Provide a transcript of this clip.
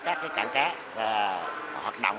các cái cảng cá và hoạt động